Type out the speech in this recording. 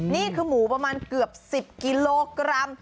นี่คือหมูประมาณเกือบ๑๐กิโลกรัม